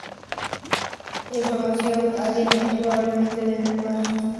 La Formación Allen es probablemente del Maastrichtiense, pero no del Maastrichtiense tardío.